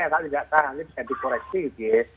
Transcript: kalau tidak salah ini bisa dikoreksi gitu ya